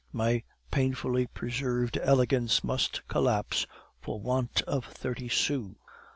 My painfully preserved elegance must collapse for want of thirty sous.